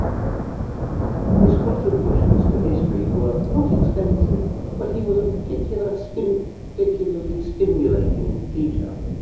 His contributions to history were not extensive, but he was a particularly stimulating teacher.